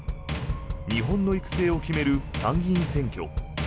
日本の行く末を決める参議院選挙。